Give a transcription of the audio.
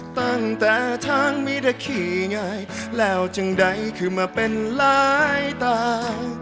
ตั้งแต่ทางมิดาขี่ง่ายแล้วจังใดขึ้นมาเป็นลายตา